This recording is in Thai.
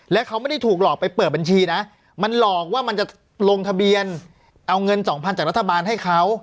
และเขาไม่ได้ถูกหลอกไปเปิดบัญชีนะมันหลอกว่ามันจะลงทะเบียนเอาเงิน๒๐๐จากรัฐบาลให้เขา